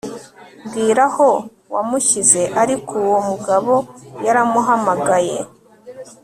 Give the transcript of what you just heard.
mbwira aho wamushyize Ariko uwo mugabo yaramuhamagaye